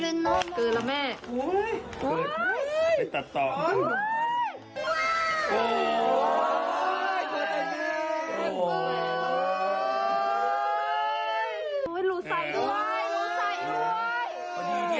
ลงด้อมหรือลงเรือกัน